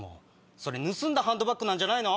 それ盗んだハンドバッグじゃないの？